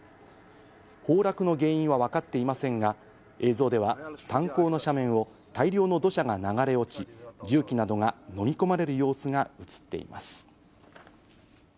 崩落の原因は分かっていませんが、映像では炭鉱の斜面を大量の土砂が流れ落ち、重機などが飲み込まれる様子が映っています。